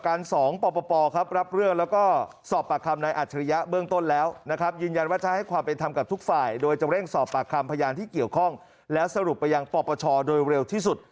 ก็จะสูดไปยังต่อประชาโดยเร็วที่สุด